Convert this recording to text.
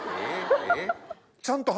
えっ？